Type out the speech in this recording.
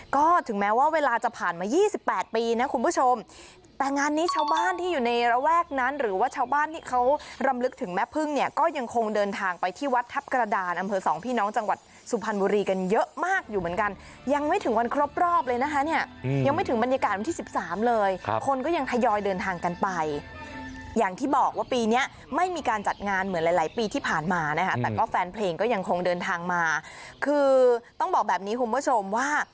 ก็ถึงแม้ว่าเวลาจะผ่านมายี่สิบแปดปีนะคุณผู้ชมแต่งานนี้ชาวบ้านที่อยู่ในระแวกนั้นหรือว่าชาวบ้านที่เขารำลึกถึงแม่พึ่งเนี่ยก็ยังคงเดินทางไปที่วัดทัพกระดานอำเภอสองพี่น้องจังหวัดสุพรรณบุรีกันเยอะมากอยู่เหมือนกันยังไม่ถึงวันครบรอบเลยนะคะเนี่ยอืมยังไม่ถึงบรรยากาศวันที่สิ